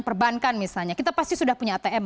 perbankan misalnya kita pasti sudah punya atm